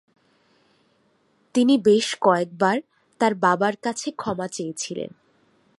তিনি বেশ কয়েকবার তার বাবার কাছ থেকে ক্ষমা চেয়েছিলেন।